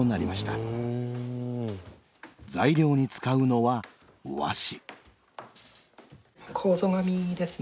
材料に使うのは和紙。